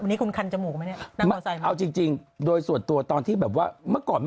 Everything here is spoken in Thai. แล้วก็รู้สึกว่าคันข้อแบบต้องลองไปเอง